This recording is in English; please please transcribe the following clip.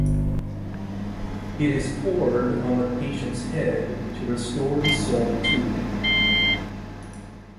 It is poured on the patient's head to restore the soul to him.